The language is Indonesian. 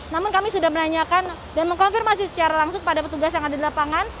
namun kami sudah menanyakan dan mengkonfirmasi secara langsung pada petugas yang ada di lapangan